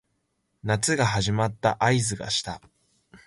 夏が始まった合図がした